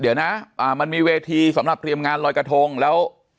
เดี๋ยวนะมันมีเวทีสำหรับเตรียมงานลอยกระทงแล้ว